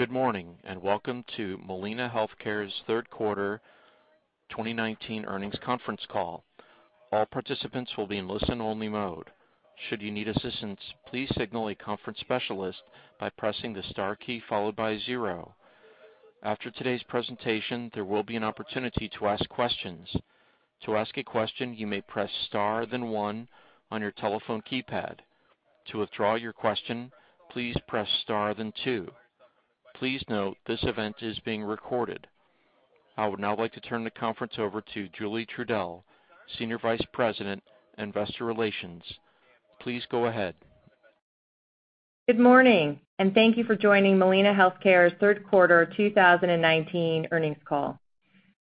Good morning, and welcome to Molina Healthcare's third quarter 2019 earnings conference call. All participants will be in listen-only mode. Should you need assistance, please signal a conference specialist by pressing the star key followed by zero. After today's presentation, there will be an opportunity to ask questions. To ask a question, you may press star then one on your telephone keypad. To withdraw your question, please press star then two. Please note this event is being recorded. I would now like to turn the conference over to Julie Trudell, Senior Vice President, Investor Relations. Please go ahead. Good morning, and thank you for joining Molina Healthcare's third quarter 2019 earnings call.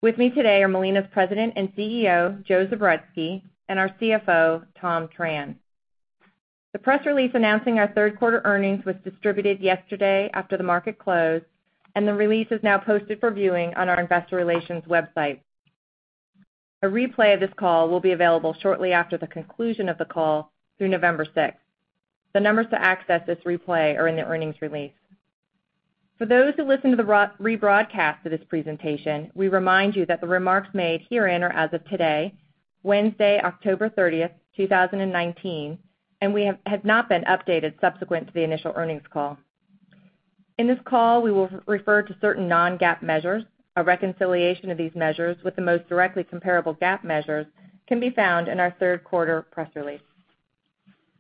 With me today are Molina's President and CEO, Joe Zubretsky, and our CFO, Tom Tran. The press release announcing our third quarter earnings was distributed yesterday after the market closed, and the release is now posted for viewing on our investor relations website. A replay of this call will be available shortly after the conclusion of the call through November 6th. The numbers to access this replay are in the earnings release. For those who listen to the rebroadcast of this presentation, we remind you that the remarks made herein are as of today, Wednesday, October 30th, 2019, and have not been updated subsequent to the initial earnings call. In this call, we will refer to certain non-GAAP measures. A reconciliation of these measures with the most directly comparable GAAP measures can be found in our third quarter press release.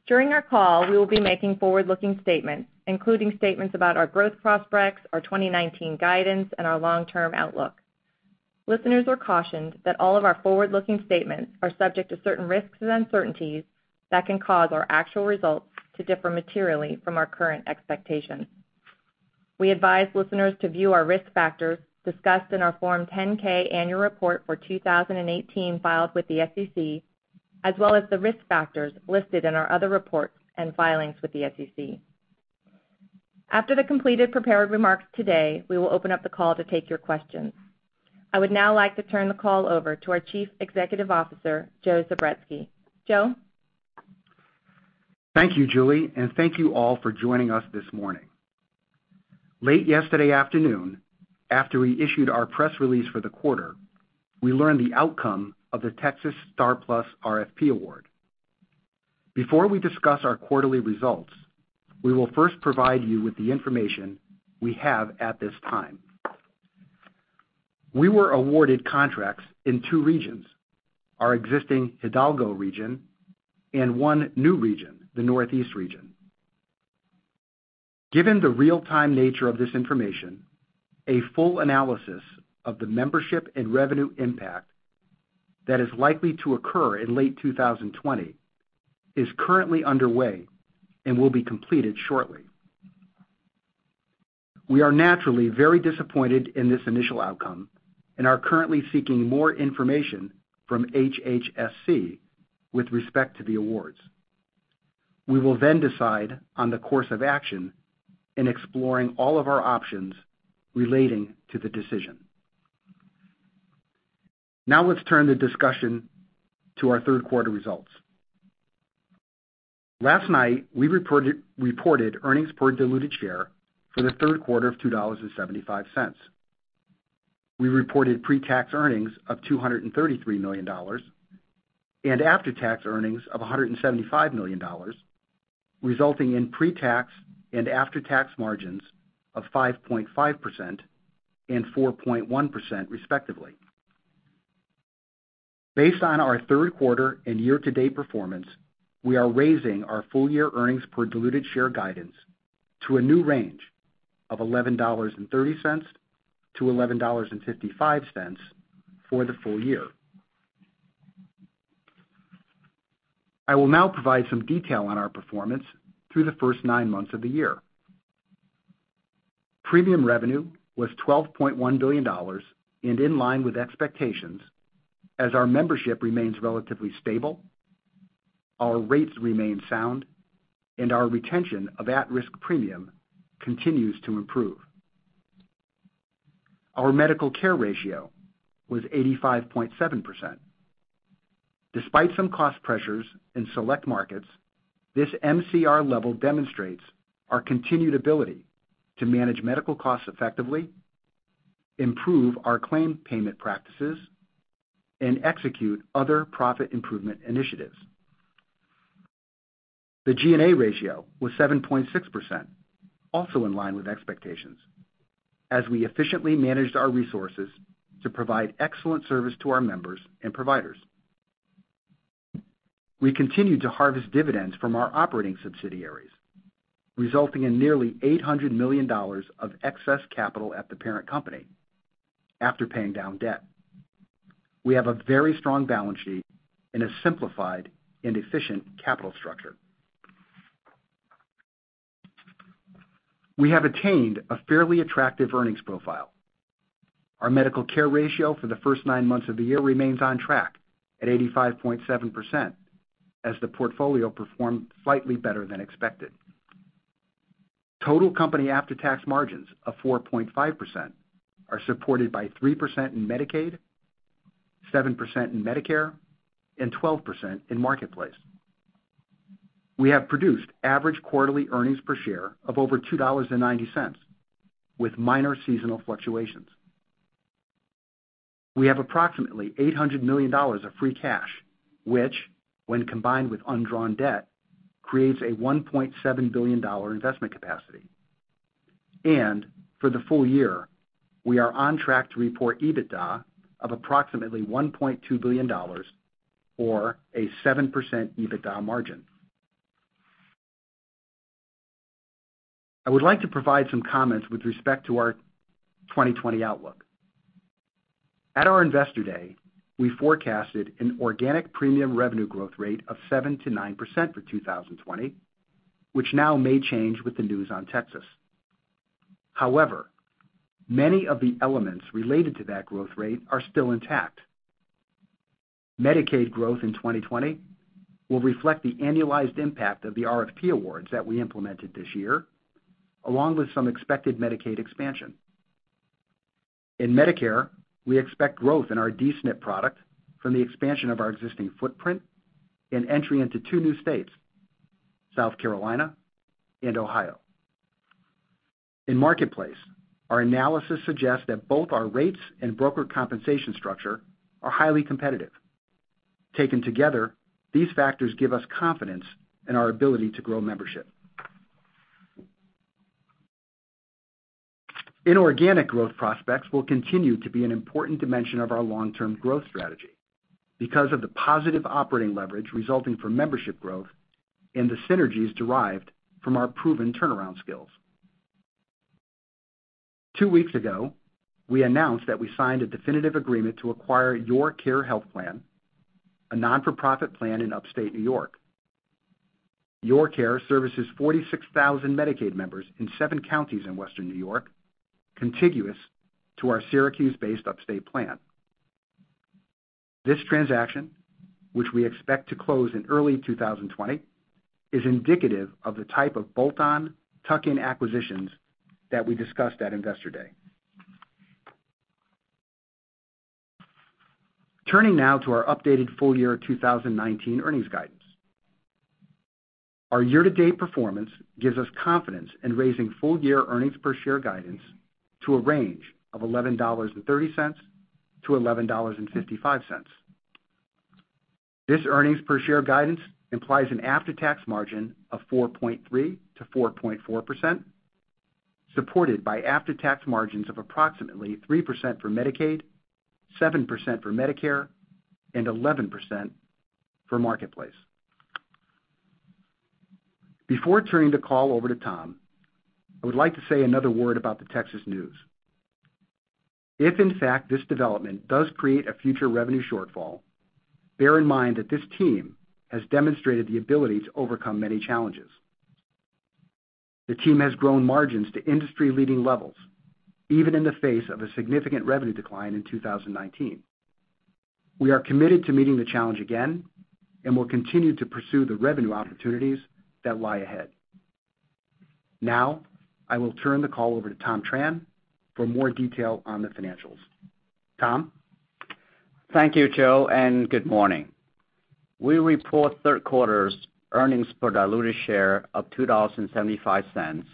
During our call, we will be making forward-looking statements, including statements about our growth prospects, our 2019 guidance, and our long-term outlook. Listeners are cautioned that all of our forward-looking statements are subject to certain risks and uncertainties that can cause our actual results to differ materially from our current expectations. We advise listeners to view our risk factors discussed in our Form 10-K annual report for 2018 filed with the SEC, as well as the risk factors listed in our other reports and filings with the SEC. After the completed prepared remarks today, we will open up the call to take your questions. I would now like to turn the call over to our Chief Executive Officer, Joe Zubretsky. Joe? Thank you, Julie, and thank you all for joining us this morning. Late yesterday afternoon, after we issued our press release for the quarter, we learned the outcome of the Texas STAR+ RFP award. Before we discuss our quarterly results, we will first provide you with the information we have at this time. We were awarded contracts in two regions, our existing Hidalgo region and one new region, the Northeast region. Given the real-time nature of this information, a full analysis of the membership and revenue impact that is likely to occur in late 2020 is currently underway and will be completed shortly. We are naturally very disappointed in this initial outcome and are currently seeking more information from HHSC with respect to the awards. We will decide on the course of action in exploring all of our options relating to the decision. Let's turn the discussion to our third quarter results. Last night, we reported earnings per diluted share for the third quarter of $2.75. We reported pre-tax earnings of $233 million and after-tax earnings of $175 million, resulting in pre-tax and after-tax margins of 5.5% and 4.1%, respectively. Based on our third quarter and year-to-date performance, we are raising our full-year earnings per diluted share guidance to a new range of $11.30-$11.55 for the full year. I will now provide some detail on our performance through the first nine months of the year. Premium revenue was $12.1 billion and in line with expectations as our membership remains relatively stable, our rates remain sound, and our retention of at-risk premium continues to improve. Our medical care ratio was 85.7%. Despite some cost pressures in select markets, this MCR level demonstrates our continued ability to manage medical costs effectively, improve our claim payment practices, and execute other profit improvement initiatives. The G&A ratio was 7.6%, also in line with expectations, as we efficiently managed our resources to provide excellent service to our members and providers. We continued to harvest dividends from our operating subsidiaries, resulting in nearly $800 million of excess capital at the parent company after paying down debt. We have a very strong balance sheet and a simplified and efficient capital structure. We have attained a fairly attractive earnings profile. Our medical care ratio for the first nine months of the year remains on track at 85.7% as the portfolio performed slightly better than expected. Total company after-tax margins of 4.5% are supported by 3% in Medicaid, 7% in Medicare, and 12% in Marketplace. We have produced average quarterly earnings per share of over $2.90, with minor seasonal fluctuations. We have approximately $800 million of free cash, which, when combined with undrawn debt, creates a $1.7 billion investment capacity. For the full year, we are on track to report EBITDA of approximately $1.2 billion, or a 7% EBITDA margin. I would like to provide some comments with respect to our 2020 outlook. At our Investor Day, we forecasted an organic premium revenue growth rate of 7%-9% for 2020, which now may change with the news on Texas. However, many of the elements related to that growth rate are still intact. Medicaid growth in 2020 will reflect the annualized impact of the RFP awards that we implemented this year, along with some expected Medicaid expansion. In Medicare, we expect growth in our D-SNP product from the expansion of our existing footprint and entry into two new states: South Carolina and Ohio. In Marketplace, our analysis suggests that both our rates and broker compensation structure are highly competitive. Taken together, these factors give us confidence in our ability to grow membership. Inorganic growth prospects will continue to be an important dimension of our long-term growth strategy because of the positive operating leverage resulting from membership growth and the synergies derived from our proven turnaround skills. Two weeks ago, we announced that we signed a definitive agreement to acquire YourCare Health Plan, a non-profit plan in upstate N.Y. YourCare services 46,000 Medicaid members in seven counties in Western New York, contiguous to our Syracuse-based upstate plan. This transaction, which we expect to close in early 2020, is indicative of the type of bolt-on tuck-in acquisitions that we discussed at Investor Day. Turning now to our updated full-year 2019 earnings guidance. Our year-to-date performance gives us confidence in raising full-year earnings per share guidance to a range of $11.30-$11.55. This earnings per share guidance implies an after-tax margin of 4.3%-4.4%, supported by after-tax margins of approximately 3% for Medicaid, 7% for Medicare, and 11% for Marketplace. Before turning the call over to Tom, I would like to say another word about the Texas news. If, in fact, this development does create a future revenue shortfall, bear in mind that this team has demonstrated the ability to overcome many challenges. The team has grown margins to industry-leading levels, even in the face of a significant revenue decline in 2019. We are committed to meeting the challenge again and will continue to pursue the revenue opportunities that lie ahead. Now, I will turn the call over to Tom Tran for more detail on the financials. Tom? Thank you, Joe. Good morning. We report third quarter's earnings per diluted share of $2.75,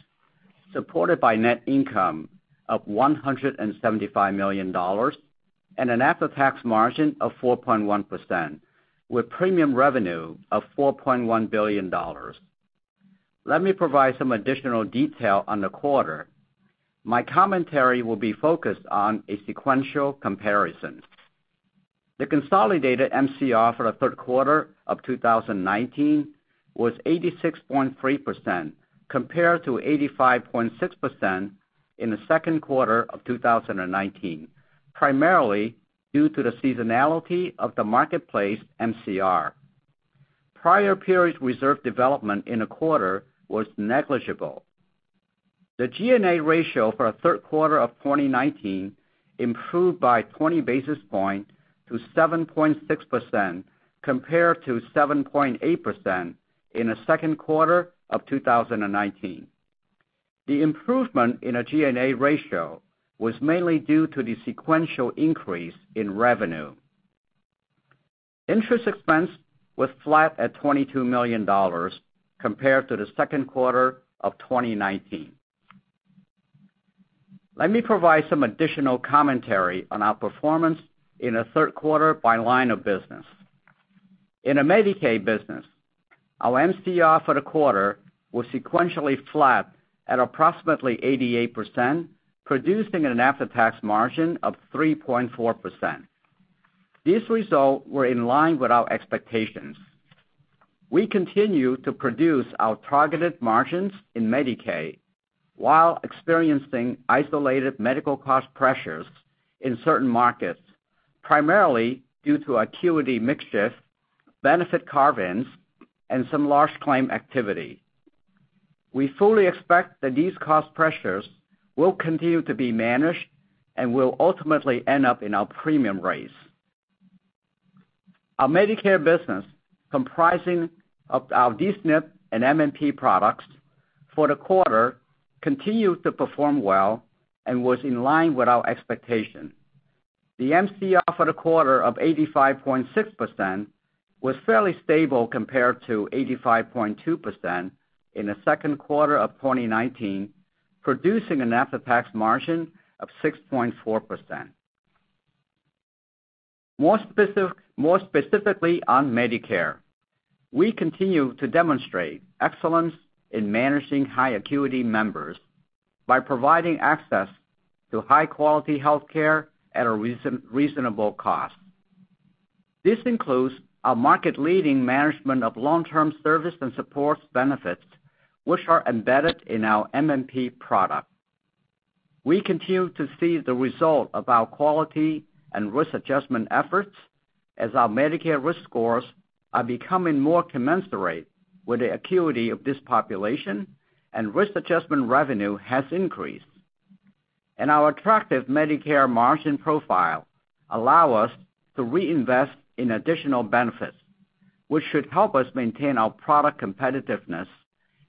supported by net income of $175 million and an after-tax margin of 4.1%, with premium revenue of $4.1 billion. Let me provide some additional detail on the quarter. My commentary will be focused on a sequential comparison. The consolidated MCR for the third quarter of 2019 was 86.3%, compared to 85.6% in the second quarter of 2019, primarily due to the seasonality of the Marketplace MCR. Prior periods reserve development in the quarter was negligible. The G&A ratio for the third quarter of 2019 improved by 20 basis points to 7.6%, compared to 7.8% in the second quarter of 2019. The improvement in our G&A ratio was mainly due to the sequential increase in revenue. Interest expense was flat at $22 million compared to the second quarter of 2019. Let me provide some additional commentary on our performance in the third quarter by line of business. In the Medicaid business, our MCR for the quarter was sequentially flat at approximately 88%, producing an after-tax margin of 3.4%. These results were in line with our expectations. We continue to produce our targeted margins in Medicaid while experiencing isolated medical cost pressures in certain markets, primarily due to acuity mix shift, benefit carve-ins, and some large claim activity. We fully expect that these cost pressures will continue to be managed and will ultimately end up in our premium raise. Our Medicare business, comprising of our D-SNP and MMP products for the quarter, continued to perform well and was in line with our expectation. The MCR for the quarter of 85.6% was fairly stable compared to 85.2% in the second quarter of 2019, producing an after-tax margin of 6.4%. More specifically on Medicare, we continue to demonstrate excellence in managing high acuity members by providing access to high-quality healthcare at a reasonable cost. This includes a market-leading management of long-term service and supports benefits, which are embedded in our MMP product. We continue to see the result of our quality and risk adjustment efforts as our Medicare risk scores are becoming more commensurate with the acuity of this population, and risk adjustment revenue has increased. Our attractive Medicare margin profile allow us to reinvest in additional benefits, which should help us maintain our product competitiveness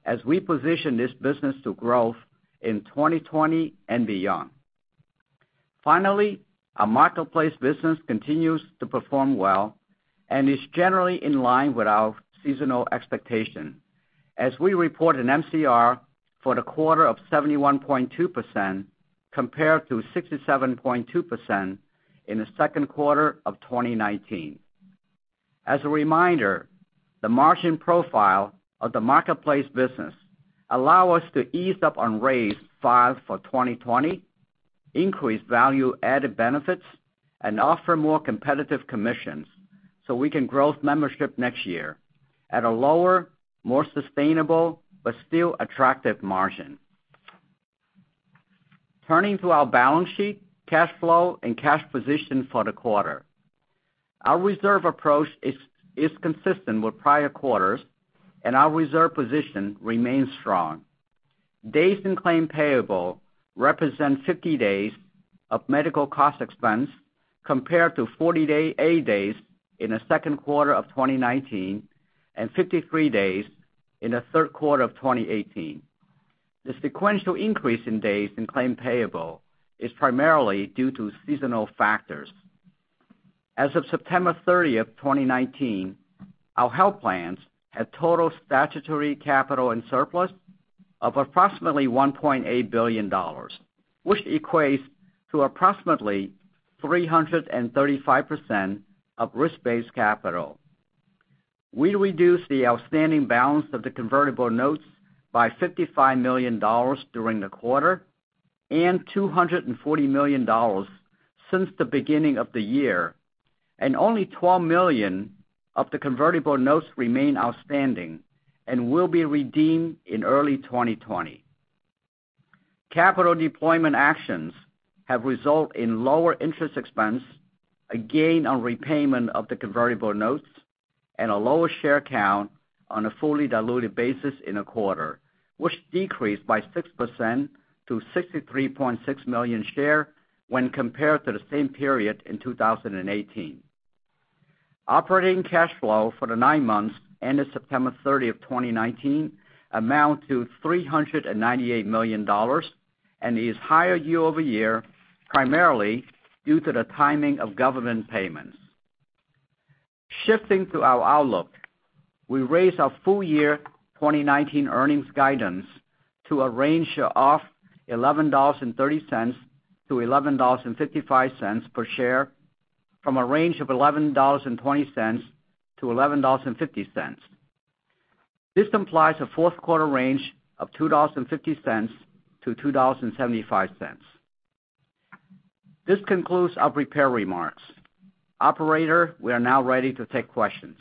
as we position this business to growth in 2020 and beyond. Finally, our Marketplace business continues to perform well and is generally in line with our seasonal expectation as we report an MCR for the quarter of 71.2% compared to 67.2% in the second quarter of 2019. As a reminder, the margin profile of the Marketplace business allow us to ease up on rate files for 2020, increase value-added benefits, and offer more competitive commissions so we can growth membership next year at a lower, more sustainable, but still attractive margin. Turning to our balance sheet, cash flow, and cash position for the quarter. Our reserve approach is consistent with prior quarters, and our reserve position remains strong. Days in claim payable represent 50 days of medical cost expense, compared to 48 days in the second quarter of 2019, and 53 days in the third quarter of 2018. The sequential increase in days in claim payable is primarily due to seasonal factors. As of September 30th, 2019, our health plans had total statutory capital and surplus of approximately $1.8 billion, which equates to approximately 335% of risk-based capital. We reduced the outstanding balance of the convertible notes by $55 million during the quarter and $240 million since the beginning of the year, and only $12 million of the convertible notes remain outstanding and will be redeemed in early 2020. Capital deployment actions have result in lower interest expense, a gain on repayment of the convertible notes, and a lower share count on a fully diluted basis in a quarter, which decreased by 6% to 63.6 million share when compared to the same period in 2018. Operating cash flow for the nine months ended September 30th, 2019 amount to $398 million and is higher year-over-year, primarily due to the timing of government payments. Shifting to our outlook, we raised our full year 2019 earnings guidance to a range of $11.30-$11.55 per share from a range of $11.20-$11.50. This implies a fourth quarter range of $2.50-$2.75. This concludes our prepared remarks. Operator, we are now ready to take questions.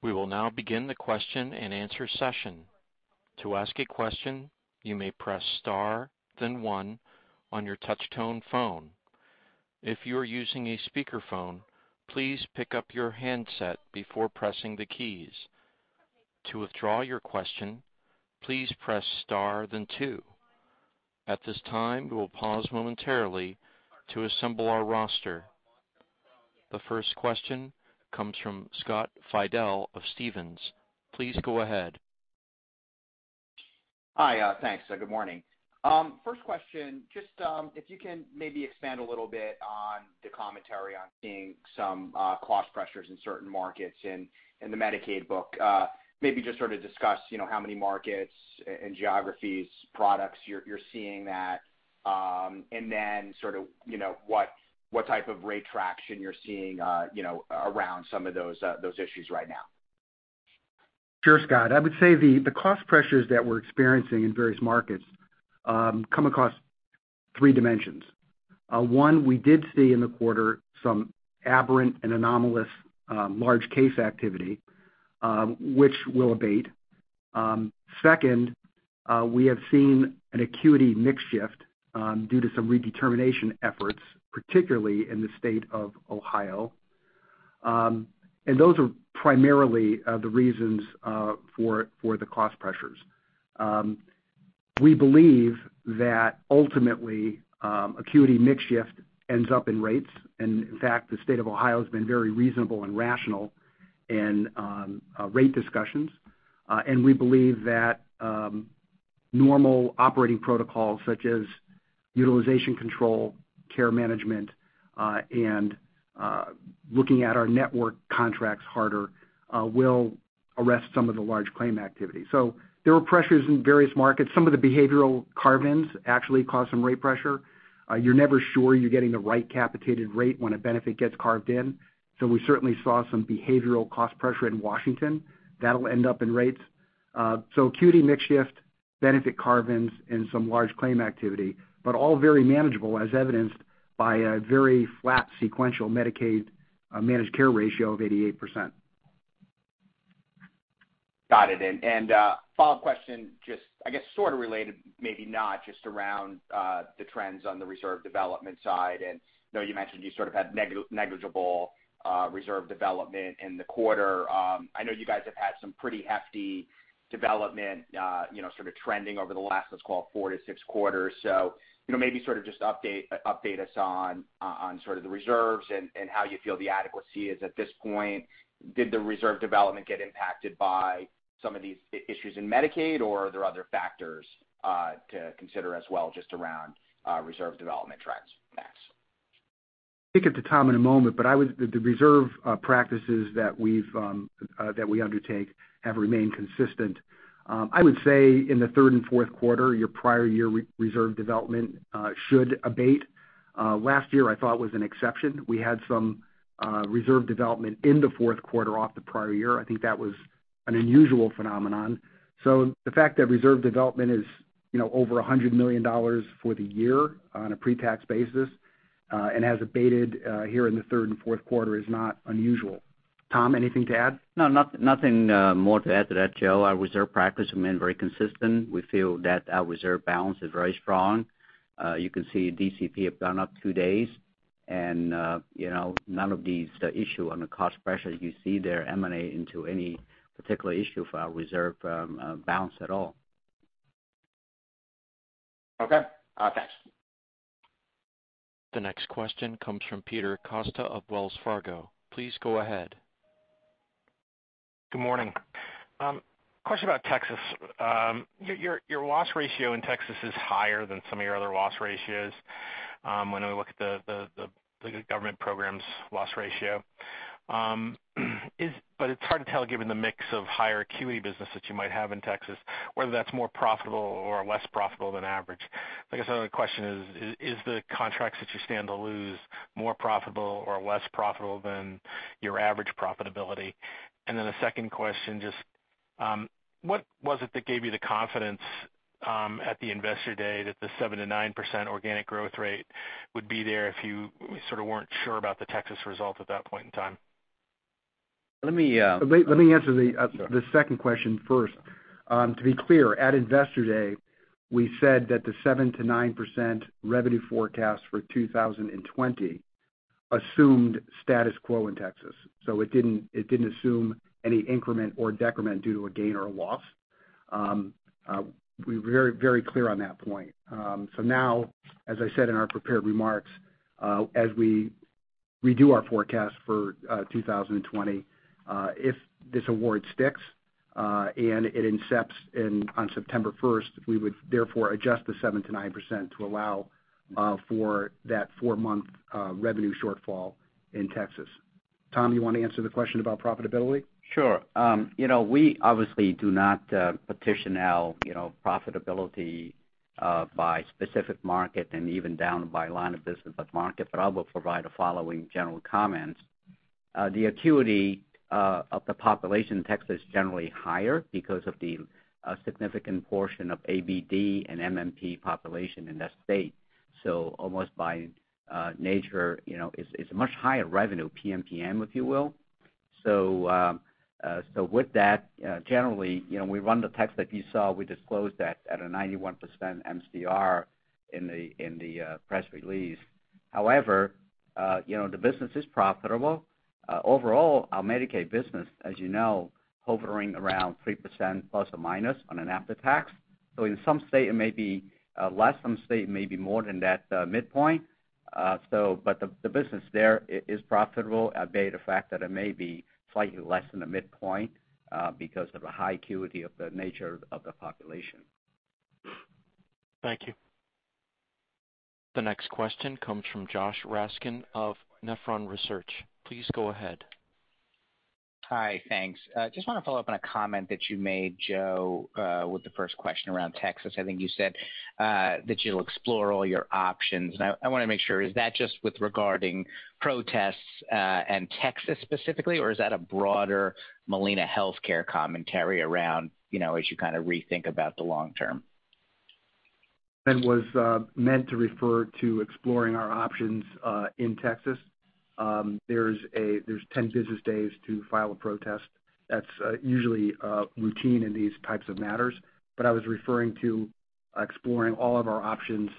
We will now begin the question and answer session. To ask a question, you may press star then one on your touch tone phone. If you are using a speakerphone, please pick up your handset before pressing the keys. To withdraw your question, please press star then two. At this time, we will pause momentarily to assemble our roster. The first question comes from Scott Fidel of Stephens. Please go ahead. Hi. Thanks. Good morning. First question, just if you can maybe expand a little bit on the commentary on seeing some cost pressures in certain markets in the Medicaid book. Maybe just sort of discuss how many markets and geographies, products you're seeing that? Sort of what type of rate traction you're seeing around some of those issues right now? Sure, Scott. I would say the cost pressures that we're experiencing in various markets come across three dimensions. One, we did see in the quarter some aberrant and anomalous large case activity, which will abate. Second, we have seen an acuity mix shift due to some redetermination efforts, particularly in the state of Ohio. Those are primarily the reasons for the cost pressures. We believe that ultimately, acuity mix shift ends up in rates. In fact, the state of Ohio has been very reasonable and rational in rate discussions We believe that normal operating protocols such as utilization control, care management, and looking at our network contracts harder will arrest some of the large claim activity. There were pressures in various markets. Some of the behavioral carve-ins actually caused some rate pressure. You're never sure you're getting the right capitated rate when a benefit gets carved in. We certainly saw some behavioral cost pressure in Washington. That'll end up in rates. Acuity mix shift, benefit carve-ins, and some large claim activity, but all very manageable, as evidenced by a very flat sequential Medicaid managed care ratio of 88%. Got it. A follow-up question, I guess sort of related, maybe not, just around the trends on the reserve development side. I know you mentioned you sort of had negligible reserve development in the quarter. I know you guys have had some pretty hefty development sort of trending over the last, let's call it, four to six quarters. Maybe sort of just update us on sort of the reserves and how you feel the adequacy is at this point. Did the reserve development get impacted by some of these issues in Medicaid, or are there other factors to consider as well just around reserve development trends? Thanks. I'll kick it to Tom in a moment, but the reserve practices that we undertake have remained consistent. I would say in the third and fourth quarter, your prior year reserve development should abate. Last year, I thought, was an exception. We had some reserve development in the fourth quarter off the prior year. I think that was an unusual phenomenon. The fact that reserve development is over $100 million for the year on a pre-tax basis, and has abated here in the third and fourth quarter is not unusual. Tom, anything to add? No, nothing more to add to that, Joe. Our reserve practice has been very consistent. We feel that our reserve balance is very strong. You can see DCP have gone up two days, and none of these issues on the cost pressures you see there emanate into any particular issue for our reserve balance at all. Okay. Thanks. The next question comes from Peter Costa of Wells Fargo. Please go ahead. Good morning. Question about Texas. Your loss ratio in Texas is higher than some of your other loss ratios when we look at the government program's loss ratio. It's hard to tell given the mix of higher acuity business that you might have in Texas, whether that's more profitable or less profitable than average. I guess another question is the contracts that you stand to lose more profitable or less profitable than your average profitability? The second question, just what was it that gave you the confidence at the Investor Day that the 7%-9% organic growth rate would be there if you sort of weren't sure about the Texas result at that point in time? Let me- Let me answer the second question first. To be clear, at Investor Day, we said that the 7%-9% revenue forecast for 2020 assumed status quo in Texas. It didn't assume any increment or decrement due to a gain or a loss. We were very clear on that point. Now, as I said in our prepared remarks, as we redo our forecast for 2020, if this award sticks, and it incepts on September 1st, we would therefore adjust the 7%-9% to allow for that four-month revenue shortfall in Texas. Tom, you want to answer the question about profitability? Sure. We obviously do not petition out profitability by specific market and even down by line of business by market, but I will provide the following general comments. The acuity of the population in Texas is generally higher because of the significant portion of ABD and MMP population in that state. Almost by nature, it's a much higher revenue PMPM, if you will. With that, generally, we run the Texas that you saw. We disclosed that at a 91% MCR in the press release. However, the business is profitable. Overall, our Medicaid business, as you know, hovering around 3% plus or minus on an after-tax. In some states it may be less, some states it may be more than that midpoint. The business there is profitable, albeit the fact that it may be slightly less than the midpoint because of the high acuity of the nature of the population. Thank you. The next question comes from Joshua Raskin of Nephron Research. Please go ahead. Hi. Thanks. Just want to follow up on a comment that you made, Joe, with the first question around Texas. I think you said that you'll explore all your options, and I want to make sure, is that just with regarding protests and Texas specifically, or is that a broader Molina Healthcare commentary around as you kind of rethink about the long term? That was meant to refer to exploring our options in Texas. There's 10 business days to file a protest. That's usually routine in these types of matters. I was referring to exploring all of our options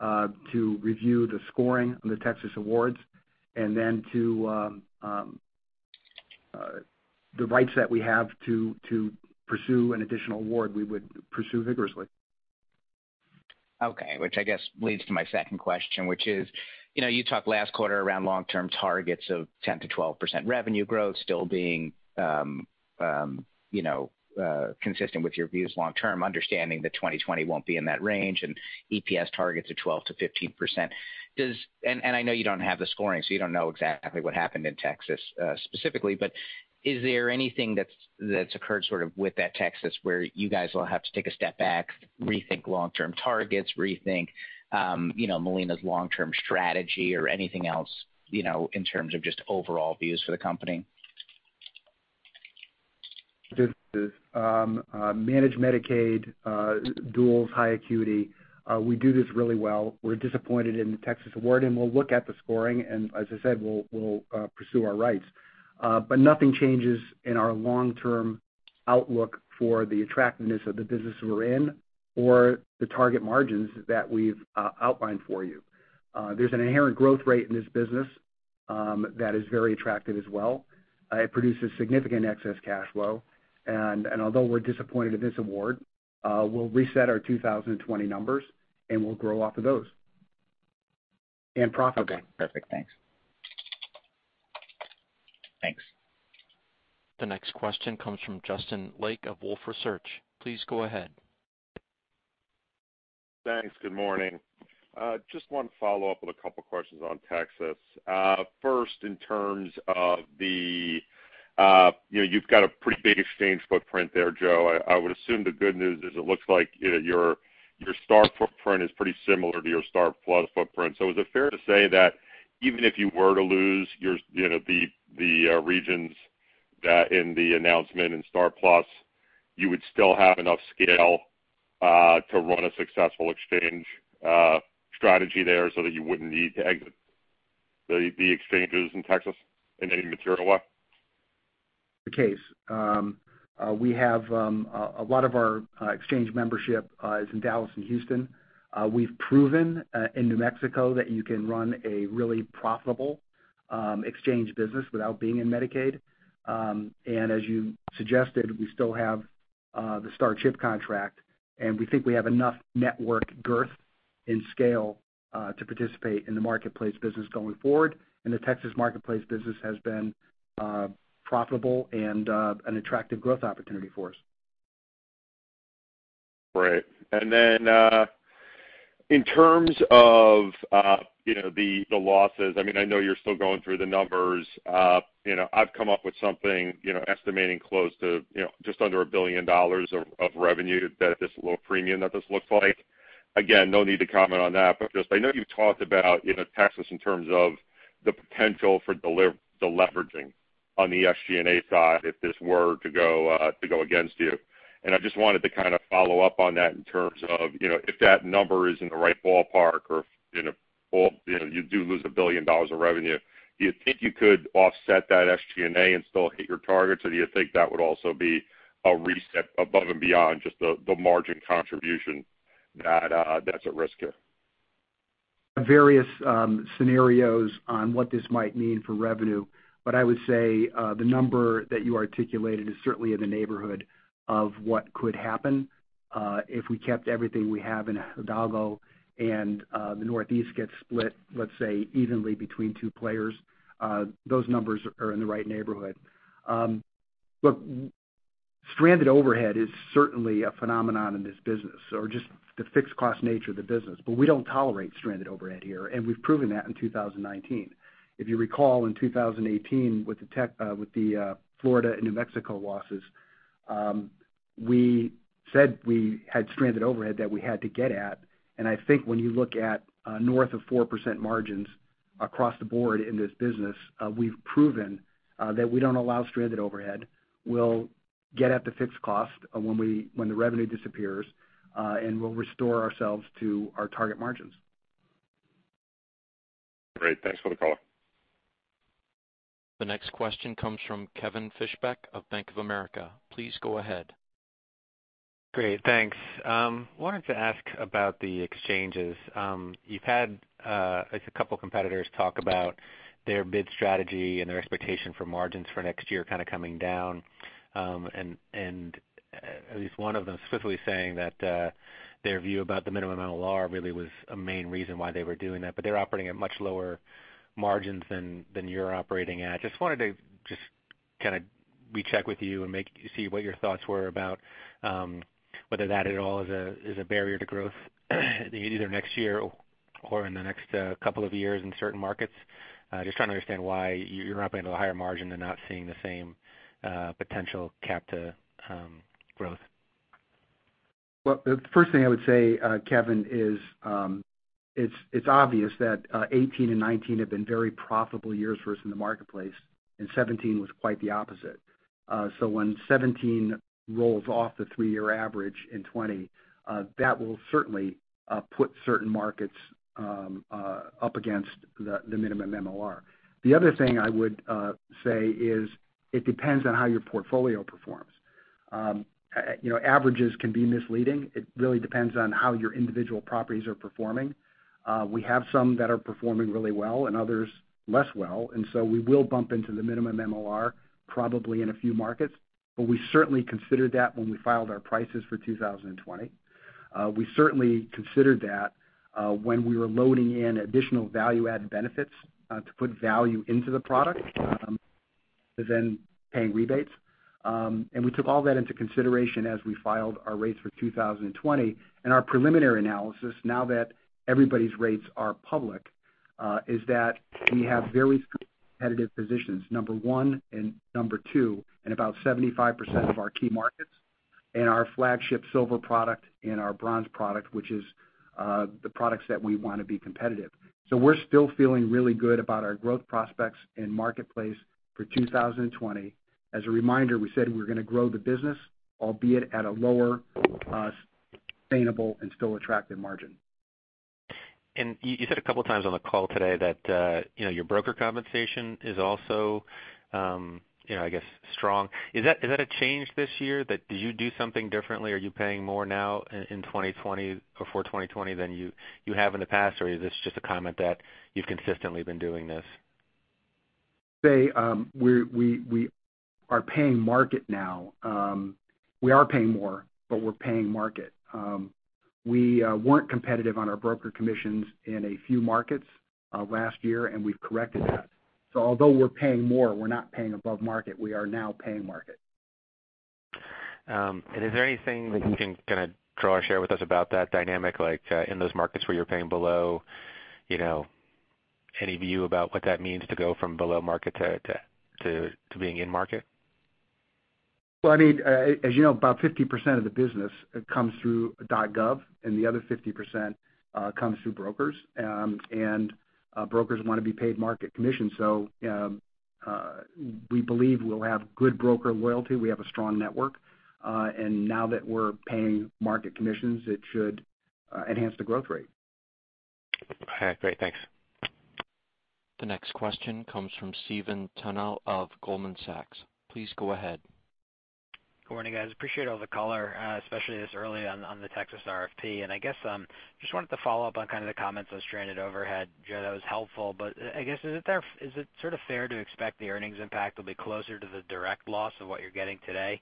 to review the scoring on the Texas awards and then the rights that we have to pursue an additional award, we would pursue vigorously. Okay. I guess leads to my second question, which is, you talked last quarter around long-term targets of 10%-12% revenue growth, still being consistent with your views long term, understanding that 2020 won't be in that range, and EPS targets of 12%-15%. I know you don't have the scoring, so you don't know exactly what happened in Texas, specifically, but is there anything that's occurred sort of with that Texas, where you guys will have to take a step back, rethink long-term targets, rethink Molina's long-term strategy or anything else, in terms of just overall views for the company? This is managed Medicaid, duals, high acuity. We do this really well. We're disappointed in the Texas award, and we'll look at the scoring, and as I said, we'll pursue our rights. Nothing changes in our long-term outlook for the attractiveness of the business we're in or the target margins that we've outlined for you. There's an inherent growth rate in this business that is very attractive as well. It produces significant excess cash flow. Although we're disappointed in this award, we'll reset our 2020 numbers, and we'll grow off of those and profitably. Okay, perfect. Thanks. Thanks. The next question comes from Justin Lake of Wolfe Research. Please go ahead. Thanks. Good morning. Just one follow-up with a couple questions on Texas. First, you've got a pretty big exchange footprint there, Joe. I would assume the good news is it looks like your STAR footprint is pretty similar to your STAR+PLUS footprint. Is it fair to say that even if you were to lose the regions that in the announcement in STAR+PLUS, you would still have enough scale to run a successful exchange strategy there so that you wouldn't need to exit the exchanges in Texas in any material way? The case. A lot of our exchange membership is in Dallas and Houston. We've proven in New Mexico that you can run a really profitable exchange business without being in Medicaid. As you suggested, we still have the STAR/CHIP contract, and we think we have enough network girth and scale to participate in the Marketplace business going forward. The Texas Marketplace business has been profitable and an attractive growth opportunity for us. Great. In terms of the losses, I know you're still going through the numbers. I've come up with something estimating close to just under $1 billion of revenue that this low premium that this looks like. Again, no need to comment on that, but I know you've talked about Texas in terms of the potential for deleveraging on the SG&A side if this were to go against you. I just wanted to kind of follow up on that in terms of, if that number is in the right ballpark or if you do lose $1 billion of revenue, do you think you could offset that SG&A and still hit your targets, or do you think that would also be a reset above and beyond just the margin contribution that's at risk here? Various scenarios on what this might mean for revenue, I would say the number that you articulated is certainly in the neighborhood of what could happen. If we kept everything we have in Hidalgo and the Northeast gets split, let's say, evenly between two players, those numbers are in the right neighborhood. Stranded overhead is certainly a phenomenon in this business, or just the fixed cost nature of the business. We don't tolerate stranded overhead here, and we've proven that in 2019. If you recall in 2018 with the Florida and New Mexico losses, we said we had stranded overhead that we had to get at. I think when you look at north of 4% margins across the board in this business, we've proven that we don't allow stranded overhead. We'll get at the fixed cost when the revenue disappears, and we'll restore ourselves to our target margins. Great. Thanks for the call. The next question comes from Kevin Fischbeck of Bank of America. Please go ahead. Great. Thanks. Wanted to ask about the exchanges. You've had, I think, a couple competitors talk about their bid strategy and their expectation for margins for next year kind of coming down, and at least one of them specifically saying that their view about the minimum MLR really was a main reason why they were doing that. They're operating at much lower margins than you're operating at. Wanted to kind of re-check with you and see what your thoughts were about whether that at all is a barrier to growth either next year or in the next couple of years in certain markets. Just trying to understand why you're operating at a higher margin and not seeing the same potential cap to growth. Well, the first thing I would say, Kevin, is it's obvious that 2018 and 2019 have been very profitable years for us in the Marketplace, and 2017 was quite the opposite. When 2017 rolls off the three-year average in 2020, that will certainly put certain markets up against the minimum MLR. The other thing I would say is it depends on how your portfolio performs. Averages can be misleading. It really depends on how your individual properties are performing. We have some that are performing really well and others less well, and so we will bump into the minimum MLR probably in a few markets. We certainly considered that when we filed our prices for 2020. We certainly considered that when we were loading in additional value-add benefits to put value into the product, to then paying rebates. We took all that into consideration as we filed our rates for 2020. Our preliminary analysis, now that everybody's rates are public, is that we have very competitive positions, number 1 and number 2, in about 75% of our key markets in our flagship Silver product and our Bronze product, which is the products that we want to be competitive. We're still feeling really good about our growth prospects in Marketplace for 2020. As a reminder, we said we were going to grow the business, albeit at a lower, sustainable and still attractive margin. You said a couple of times on the call today that your broker compensation is also, I guess, strong. Is that a change this year? Did you do something differently? Are you paying more now in 2020 or for 2020 than you have in the past? Is this just a comment that you've consistently been doing this? We are paying market now. We are paying more, but we're paying market. We weren't competitive on our broker commissions in a few markets last year, and we've corrected that. Although we're paying more, we're not paying above market. We are now paying market. Is there anything that you can kind of draw or share with us about that dynamic, like in those markets where you're paying below, any view about what that means to go from below market to being in market? Well, as you know, about 50% of the business comes through .gov, and the other 50% comes through brokers. Brokers want to be paid market commission. We believe we'll have good broker loyalty. We have a strong network. Now that we're paying market commissions, it should enhance the growth rate. Okay, great. Thanks. The next question comes from Stephen Tanal of Goldman Sachs. Please go ahead. Good morning, guys. Appreciate all the color, especially this early on the Texas RFP. I guess, just wanted to follow up on kind of the comments on stranded overhead. Joe, that was helpful. I guess, is it sort of fair to expect the earnings impact will be closer to the direct loss of what you're getting today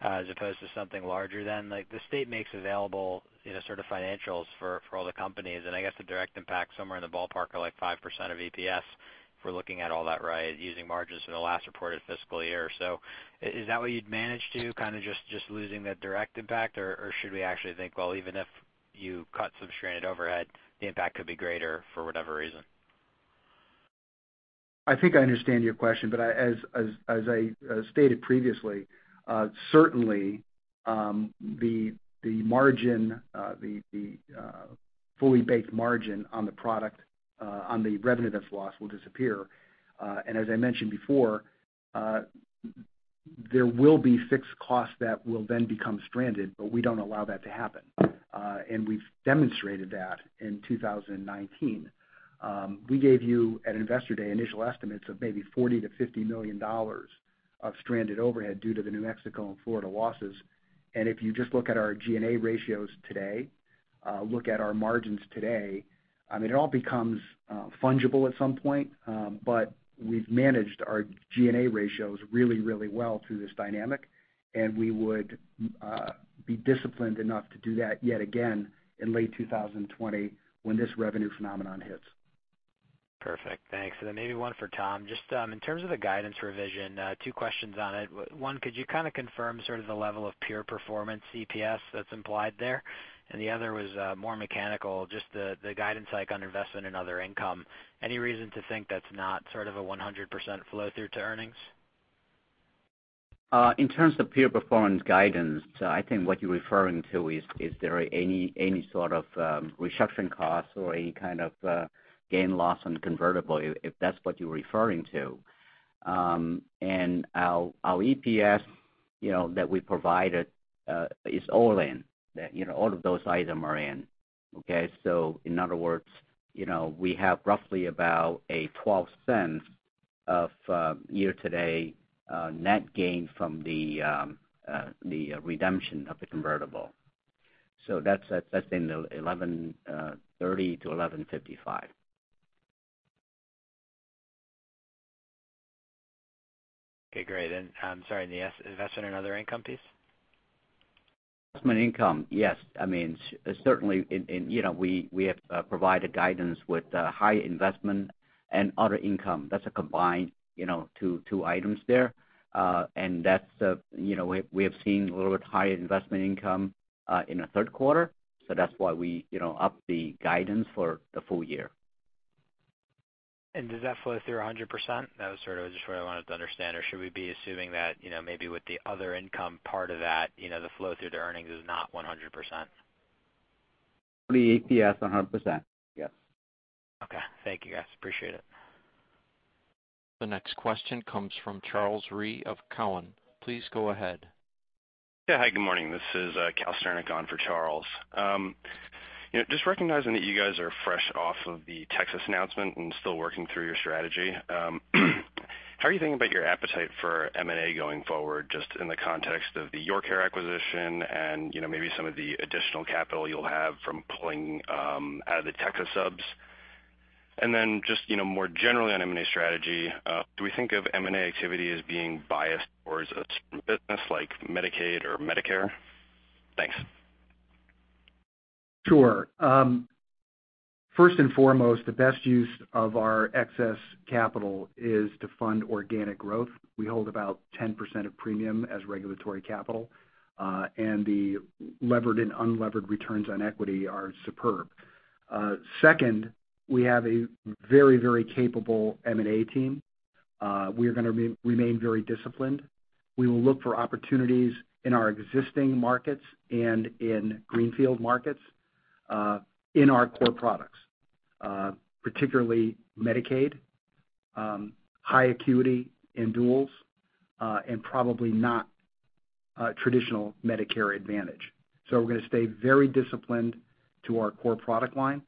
as opposed to something larger then? Like, the state makes available sort of financials for all the companies, and I guess the direct impact somewhere in the ballpark of like 5% of EPS if we're looking at all that, right? Using margins for the last reported fiscal year. Is that what you'd manage to kind of just losing the direct impact? Should we actually think, well, even if you cut some stranded overhead, the impact could be greater for whatever reason? I think I understand your question. As I stated previously, certainly the margin, the fully baked margin on the product, on the revenue that's lost will disappear. As I mentioned before, there will be fixed costs that will then become stranded, but we don't allow that to happen. We've demonstrated that in 2019. We gave you at Investor Day initial estimates of maybe $40 million-$50 million of stranded overhead due to the New Mexico and Florida losses. If you just look at our G&A ratios today, look at our margins today, I mean, it all becomes fungible at some point. We've managed our G&A ratios really, really well through this dynamic, and we would be disciplined enough to do that yet again in late 2020 when this revenue phenomenon hits. Perfect. Thanks. Maybe one for Tom. Just in terms of the guidance revision, two questions on it. One, could you kind of confirm sort of the level of peer performance EPS that's implied there? The other was more mechanical, just the guidance, like on investment and other income. Any reason to think that's not sort of a 100% flow through to earnings? In terms of peer performance guidance, I think what you're referring to is there any sort of reduction costs or any kind of gain loss on convertible, if that's what you're referring to. Our EPS that we provided is all in. All of those items are in. Okay? In other words, we have roughly about a $0.12 of year-to-date net gain from the redemption of the convertible. That's in the $11.30-$11.55. Okay, great. I'm sorry, the investment and other income piece? Investment income. Yes. I mean, certainly, we have provided guidance with high investment and other income. That's a combined two items there. We have seen a little bit higher investment income in the third quarter. That's why we upped the guidance for the full year. Does that flow through 100%? That was sort of just what I wanted to understand. Should we be assuming that maybe with the other income part of that the flow through to earnings is not 100%? The EPS, 100%. Yes. Okay. Thank you, guys. Appreciate it. The next question comes from Charles Rhyee of Cowen. Please go ahead. Yeah. Hi, good morning. This is [Karl Sarnak] on for Charles. Just recognizing that you guys are fresh off of the Texas announcement and still working through your strategy, how are you thinking about your appetite for M&A going forward, just in the context of the YourCare acquisition and maybe some of the additional capital you'll have from pulling out of the Texas subs? More generally on M&A strategy, do we think of M&A activity as being biased towards a certain business like Medicaid or Medicare? Thanks. Sure. First and foremost, the best use of our excess capital is to fund organic growth. We hold about 10% of premium as regulatory capital. The levered and unlevered returns on equity are superb. Second, we have a very capable M&A team. We're going to remain very disciplined. We will look for opportunities in our existing markets and in greenfield markets, in our core products, particularly Medicaid, high acuity and duals, and probably not traditional Medicare Advantage. We're going to stay very disciplined to our core product line.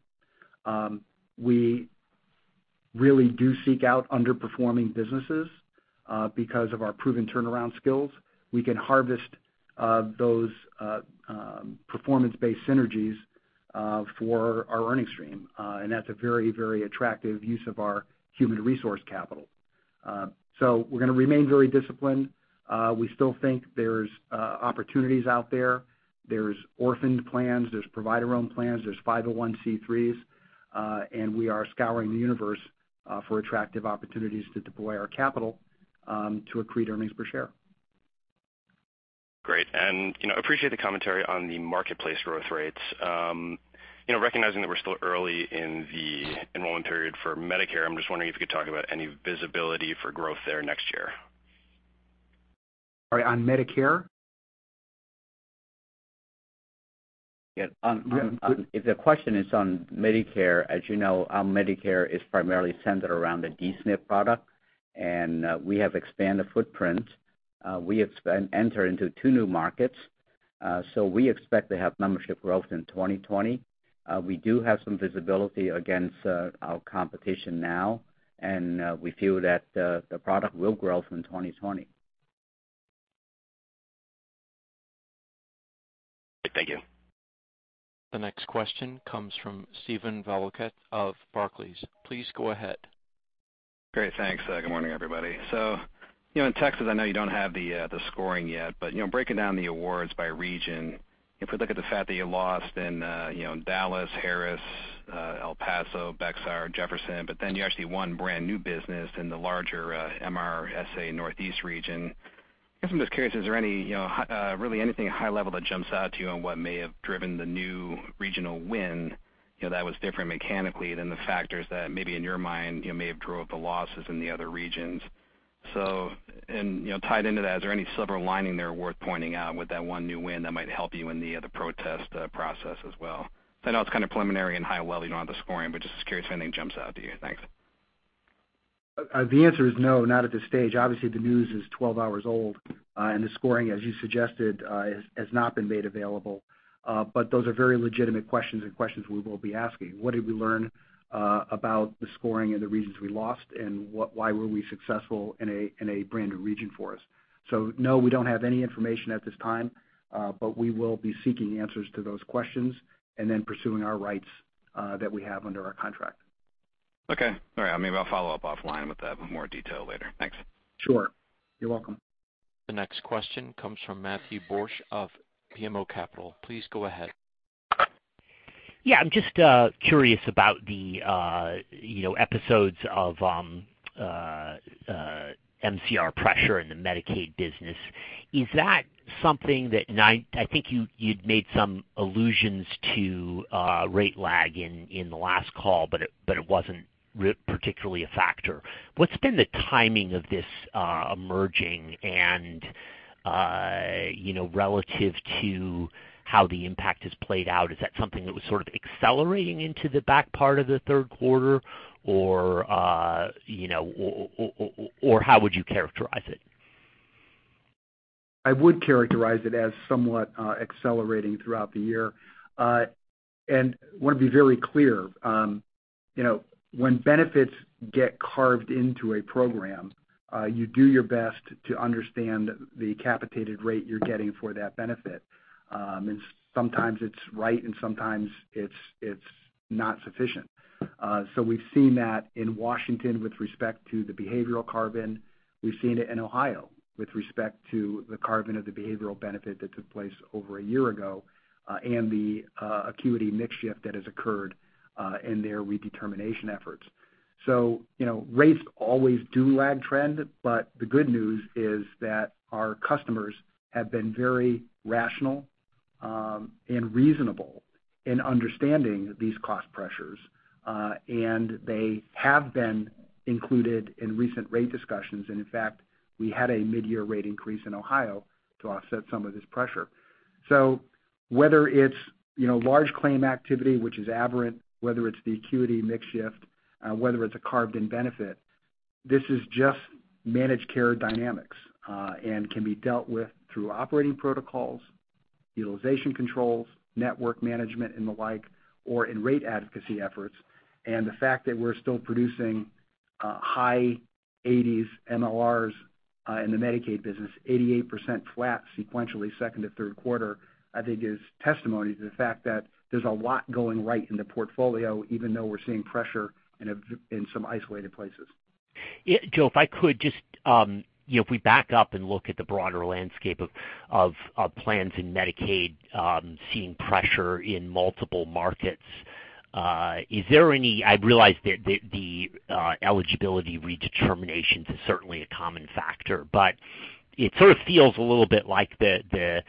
We really do seek out underperforming businesses because of our proven turnaround skills. We can harvest those performance-based synergies for our earnings stream. That's a very attractive use of our human resource capital. We're going to remain very disciplined. We still think there's opportunities out there. There's orphaned plans, there's provider-owned plans, there's 501(c)(3)s, and we are scouring the universe for attractive opportunities to deploy our capital to accrete earnings per share. Great. Appreciate the commentary on the Marketplace growth rates. Recognizing that we're still early in the enrollment period for Medicare, I'm just wondering if you could talk about any visibility for growth there next year. Sorry, on Medicare? Yeah. If the question is on Medicare, as you know, our Medicare is primarily centered around the D-SNP product, and we have expanded footprint. We enter into two new markets. We expect to have membership growth in 2020. We do have some visibility against our competition now, and we feel that the product will grow from 2020. Thank you. The next question comes from Steven Valiquette of Barclays. Please go ahead. Great. Thanks. Good morning, everybody. In Texas, I know you don't have the scoring yet, but breaking down the awards by region, if we look at the fact that you lost in Dallas, Harris, El Paso, Bexar, Jefferson, but then you actually won brand new business in the larger MRSA NE region. I'm just curious, is there really anything high level that jumps out to you on what may have driven the new regional win that was different mechanically than the factors that maybe in your mind may have drove the losses in the other regions? Tied into that, is any silver lining there worth pointing out with that one new win that might help you in the other protest process as well? I know it's kind of preliminary and high level. You don't have the scoring, but just curious if anything jumps out to you. Thanks. The answer is no, not at this stage. Obviously, the news is 12 hours old, and the scoring, as you suggested, has not been made available. Those are very legitimate questions and questions we will be asking. What did we learn about the scoring and the reasons we lost, and why were we successful in a brand new region for us? No, we don't have any information at this time. We will be seeking answers to those questions and then pursuing our rights that we have under our contract. Okay. All right. Maybe I'll follow up offline with that with more detail later. Thanks. Sure. You're welcome. The next question comes from Matthew Borsch of BMO Capital Markets. Please go ahead. Yeah, I'm just curious about the episodes of MCR pressure in the Medicaid business. Is that something that-- I think you'd made some allusions to rate lag in the last call, but it wasn't particularly a factor. What's been the timing of this emerging and relative to how the impact has played out? Is that something that was sort of accelerating into the back part of the third quarter? How would you characterize it? I would characterize it as somewhat accelerating throughout the year. Want to be very clear. When benefits get carved into a program, you do your best to understand the capitated rate you're getting for that benefit. Sometimes it's right, and sometimes it's not sufficient. We've seen that in Washington with respect to the behavioral carve-in. We've seen it in Ohio with respect to the carve-in of the behavioral benefit that took place over a year ago, and the acuity mix shift that has occurred in their redetermination efforts. Rates always do lag trend, but the good news is that our customers have been very rational and reasonable in understanding these cost pressures, and they have been included in recent rate discussions. In fact, we had a mid-year rate increase in Ohio to offset some of this pressure. Whether it's large claim activity, which is aberrant, whether it's the acuity mix shift, whether it's a carved-in benefit, this is just managed care dynamics, and can be dealt with through operating protocols, utilization controls, network management and the like, or in rate advocacy efforts. The fact that we're still producing high 80s MLRs in the Medicaid business, 88% flat sequentially second to third quarter, I think is testimony to the fact that there's a lot going right in the portfolio, even though we're seeing pressure in some isolated places. Joe, if we back up and look at the broader landscape of plans in Medicaid, seeing pressure in multiple markets, is there any-- I realize that the eligibility redeterminations is certainly a common factor, but it sort of feels a little bit like the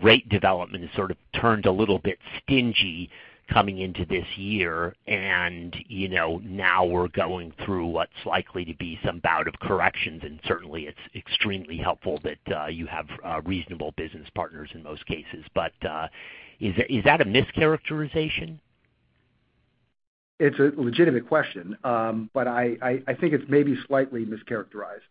rate development has sort of turned a little bit stingy coming into this year, and now we're going through what's likely to be some bout of corrections, and certainly it's extremely helpful that you have reasonable business partners in most cases. Is that a mischaracterization? It's a legitimate question. I think it's maybe slightly mischaracterized.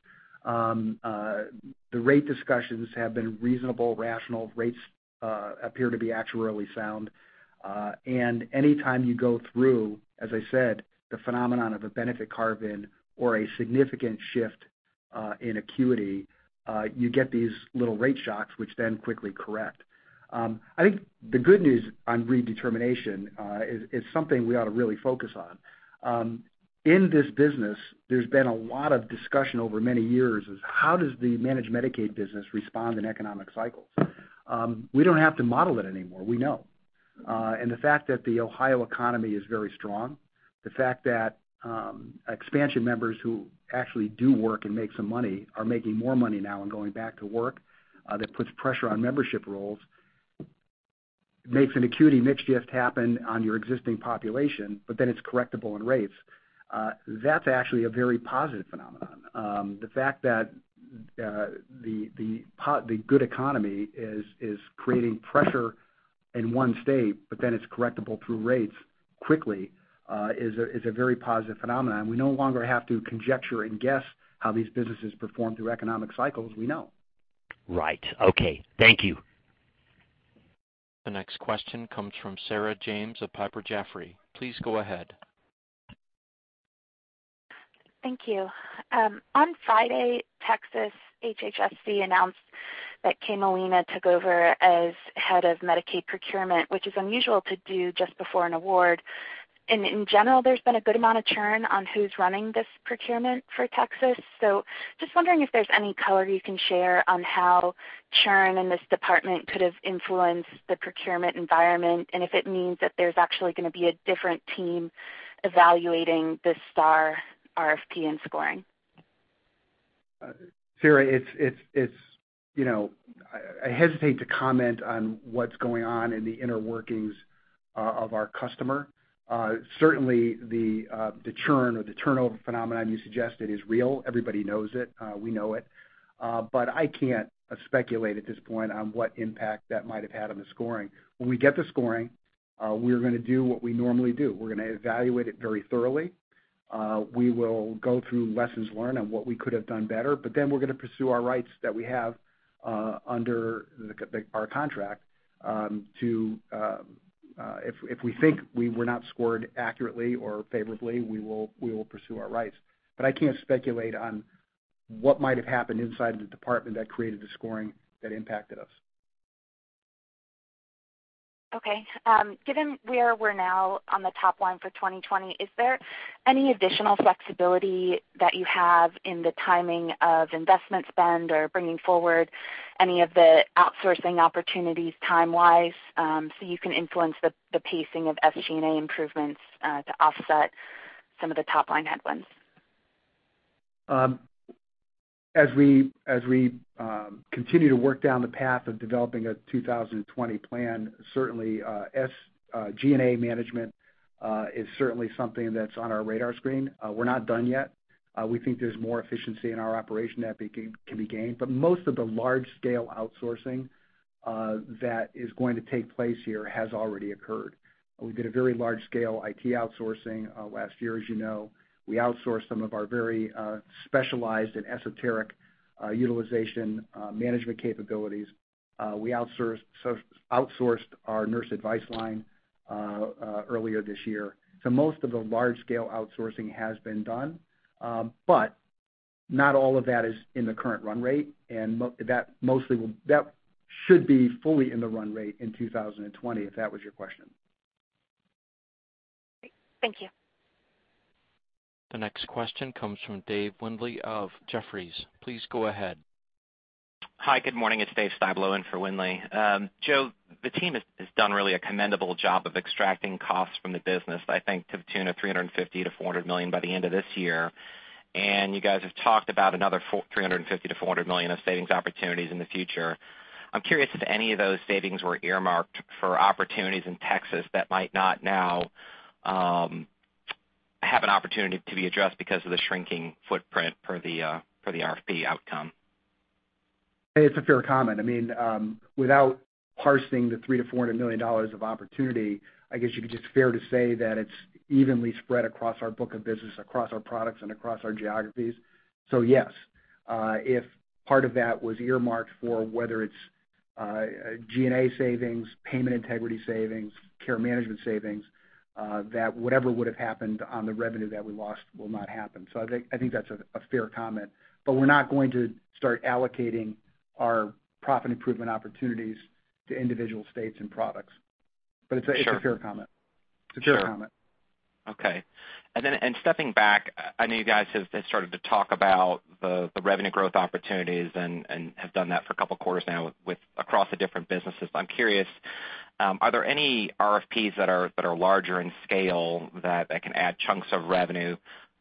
The rate discussions have been reasonable, rational. Rates appear to be actuarially sound. Anytime you go through, as I said, the phenomenon of a benefit carve-in or a significant shift in acuity, you get these little rate shocks, which then quickly correct. I think the good news on redetermination is something we ought to really focus on. In this business, there's been a lot of discussion over many years is how does the managed Medicaid business respond in economic cycles? We don't have to model it anymore. We know. The fact that the Ohio economy is very strong, the fact that expansion members who actually do work and make some money are making more money now and going back to work, that puts pressure on membership rolls, makes an acuity mix shift happen on your existing population, but then it's correctable in rates. That's actually a very positive phenomenon. The fact that the good economy is creating pressure in one state, but then it's correctable through rates quickly, is a very positive phenomenon. We no longer have to conjecture and guess how these businesses perform through economic cycles. We know. Right. Okay. Thank you. The next question comes from Sarah James of Piper Jaffray. Please go ahead. Thank you. On Friday, Texas HHSC announced that Kay Molina took over as head of Medicaid procurement, which is unusual to do just before an award. In general, there's been a good amount of churn on who's running this procurement for Texas. Just wondering if there's any color you can share on how churn in this department could have influenced the procurement environment, and if it means that there's actually going to be a different team evaluating the STAR RFP and scoring. Sarah, I hesitate to comment on what's going on in the inner workings of our customer. The churn or the turnover phenomenon you suggested is real. Everybody knows it. We know it. I can't speculate at this point on what impact that might have had on the scoring. When we get the scoring, we're going to do what we normally do. We're going to evaluate it very thoroughly. We will go through lessons learned on what we could have done better, but then we're going to pursue our rights that we have under our contract if we think we were not scored accurately or favorably, we will pursue our rights. I can't speculate on what might have happened inside the department that created the scoring that impacted us. Given where we're now on the top line for 2020, is there any additional flexibility that you have in the timing of investment spend or bringing forward any of the outsourcing opportunities time-wise, so you can influence the pacing of SG&A improvements to offset some of the top-line headwinds? As we continue to work down the path of developing a 2020 plan, certainly SG&A management is certainly something that's on our radar screen. We're not done yet. We think there's more efficiency in our operation that can be gained. Most of the large-scale outsourcing that is going to take place here has already occurred. We did a very large-scale IT outsourcing last year, as you know. We outsourced some of our very specialized and esoteric utilization management capabilities. We outsourced our nurse advice line earlier this year. Most of the large-scale outsourcing has been done. Not all of that is in the current run rate, and that should be fully in the run rate in 2020, if that was your question. Great. Thank you. The next question comes from Dave Windley of Jefferies. Please go ahead. Hi, good morning. It's Dave Styblo in for Windley. Joe, the team has done really a commendable job of extracting costs from the business, I think to the tune of $350 million-$400 million by the end of this year. You guys have talked about another $350 million-$400 million of savings opportunities in the future. I'm curious if any of those savings were earmarked for opportunities in Texas that might not now have an opportunity to be addressed because of the shrinking footprint for the RFP outcome? It's a fair comment. Without parsing the three to $400 million of opportunity, I guess you could just fair to say that it's evenly spread across our book of business, across our products, and across our geographies. Yes, if part of that was earmarked for whether it's G&A savings, payment integrity savings, care management savings, that whatever would've happened on the revenue that we lost will not happen. I think that's a fair comment, but we're not going to start allocating our profit improvement opportunities to individual states and products. It's a fair comment. Sure. It's a fair comment. Okay. Stepping back, I know you guys have started to talk about the revenue growth opportunities and have done that for a couple quarters now with across the different businesses. I'm curious, are there any RFPs that are larger in scale that can add chunks of revenue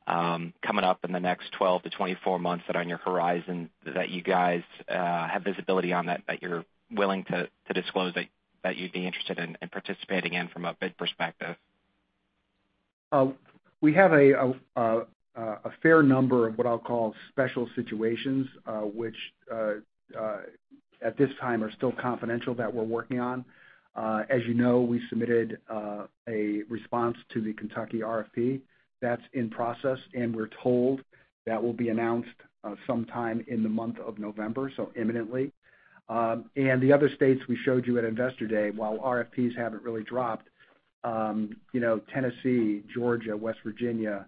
coming up in the next 12-24 months that are on your horizon that you guys have visibility on that you're willing to disclose that you'd be interested in participating in from a bid perspective? We have a fair number of what I'll call special situations, which, at this time are still confidential that we're working on. As you know, we submitted a response to the Kentucky RFP. That's in process, and we're told that will be announced sometime in the month of November, so imminently. The other states we showed you at Investor Day, while RFPs haven't really dropped, Tennessee, Georgia, West Virginia,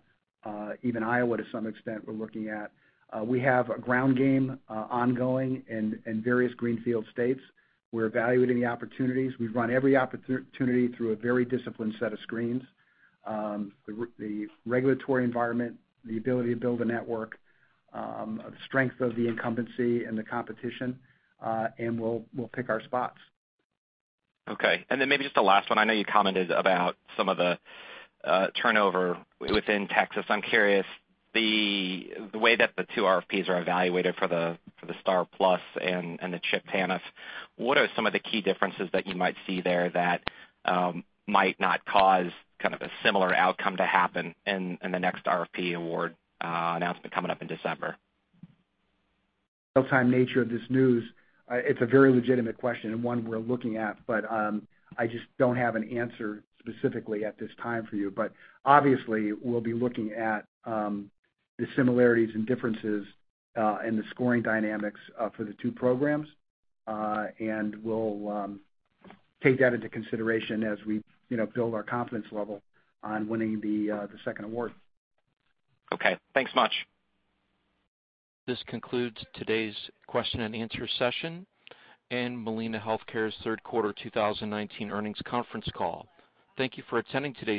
even Iowa to some extent, we're looking at. We have a ground game ongoing in various greenfield states. We're evaluating the opportunities. We run every opportunity through a very disciplined set of screens. The regulatory environment, the ability to build a network, strength of the incumbency and the competition, and we'll pick our spots. Okay, maybe just a last one. I know you commented about some of the turnover within Texas. I'm curious, the way that the two RFPs are evaluated for the STAR+PLUS and the CHIP Perinatal, what are some of the key differences that you might see there that might not cause kind of a similar outcome to happen in the next RFP award announcement coming up in December? Real-time nature of this news, it's a very legitimate question and one we're looking at, but I just don't have an answer specifically at this time for you. Obviously, we'll be looking at the similarities and differences, and the scoring dynamics for the two programs. We'll take that into consideration as we build our confidence level on winning the second award. Okay. Thanks much. This concludes today's question and answer session and Molina Healthcare's third quarter 2019 earnings conference call. Thank you for attending today's.